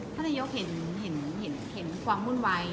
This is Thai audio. ท่านนายยกเห็นความมุ่นไว